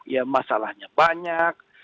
ya masalahnya banyak